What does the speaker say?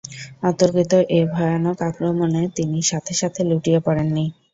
অতর্কিত এ ভয়ানক আক্রমণে তিনি সাথে সাথে লুটিয়ে পড়েননি।